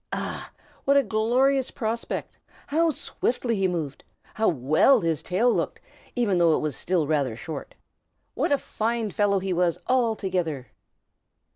Ah, what a glorious prospect! How swiftly he moved! How well his tail looked, even though it was still rather short! What a fine fellow he was, altogether!